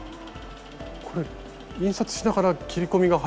これ印刷しながら切り込みが入ってるってことですか？